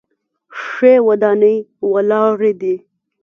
ښې ودانۍ ولاړې دي.